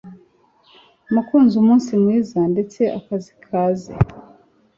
Mukunzi umunsi mwiza ndetse akazi kaze